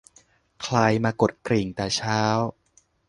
ใครมากดกริ่งแต่เช้า